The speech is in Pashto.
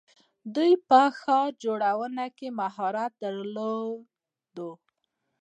دوی په ښار جوړونه کې مهارت درلود.